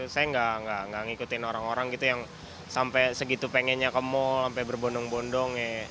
saya nggak ngikutin orang orang gitu yang sampai segitu pengennya ke mall sampai berbondong bondong